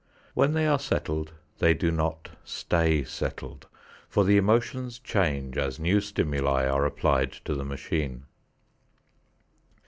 When they are settled they do not stay settled, for the emotions change as new stimuli are applied to the machine.